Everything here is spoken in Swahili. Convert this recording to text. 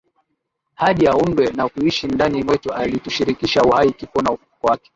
hadi aundwe na kuishi ndani mwetu akitushirikisha uhai kifo na ufufuko wake